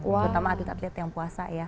terutama atlet atlet yang puasa ya